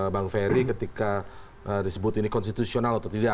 bang ferry ketika disebut ini konstitusional atau tidak